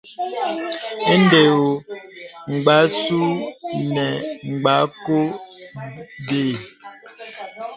Indē ɔ̄ɔ̄. Mgbàsù nə̀ Mgbàkɔ bə.